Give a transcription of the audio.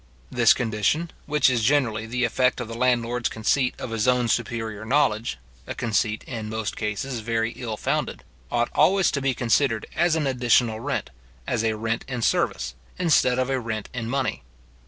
This condition, which is generally the effect of the landlord's conceit of his own superior knowledge (a conceit in most cases very ill founded), ought always to be considered as an additional rent, as a rent in service, instead of a rent in money.